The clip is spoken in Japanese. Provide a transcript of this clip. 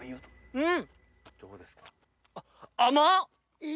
うん！